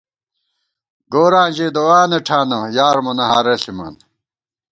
گوراں ژِی دُعانہ ٹھانہ ، یار مونہ ہارہ ݪِمان